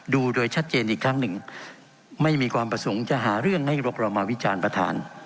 ดูโดยชัดเจนอีกครั้งหนึ่งไม่มีความประสงค์จะหาเรื่องให้รบเรามาวิจารณ์ประธาน